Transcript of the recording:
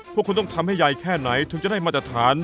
พวกคุณต้องทำให้ใหญ่แค่ไหนถึงจะได้มาตรฐาน